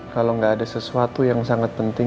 kalau nggak ada sesuatu yang sangat penting